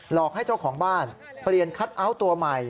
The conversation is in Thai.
อกให้เจ้าของบ้านเปลี่ยนคัทเอาท์ตัวใหม่